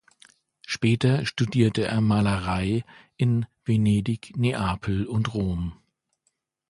Später studierte er Malerei in Venedig, Neapel und Rom.